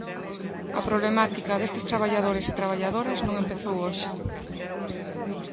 A problemática destes traballadores e traballadoras non empezou hoxe.